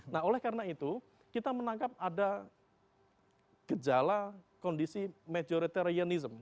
nah oleh karena itu kita menangkap ada gejala kondisi majoritarianism